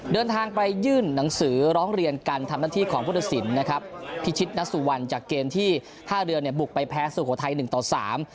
เดินทางไปยื่นหนังสือร้องเรียนการทำหน้าที่ของพุทธศิลป์นะครับพิชิตนัสสุวรรณจากเกมที่ท่าเรือเนี่ยบุกไปแพ้สุโขทัยหนึ่งต่อสาม